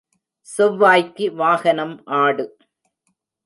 செவ்வாய்க்கு வாகனம் ஆடு.